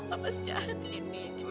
kenapa saya harus dibawa